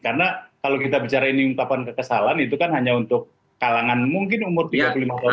karena kalau kita bicara ini ungkapan kekesalan itu kan hanya untuk kalangan mungkin umur tiga puluh lima tahun